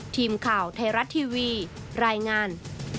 ทีมข่าวไทยรัฐทีวีรายงาน